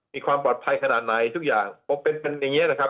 มีความปลอดภัยขนาดไหนทุกอย่างเป็นอย่างนี้นะครับ